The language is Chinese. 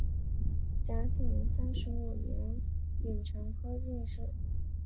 嘉靖三十五年丙辰科进士。